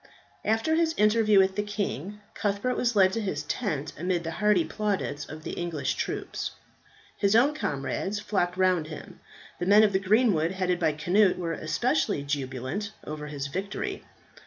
After his interview with the king, Cuthbert was led to his tent amid the hearty plaudits of the English troops. His own comrades flocked round him; the men of the greenwood headed by Cnut, were especially jubilant over his victory.